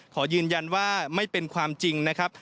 ขอยืนยันว่าไม่เป็นความจริงนะครับ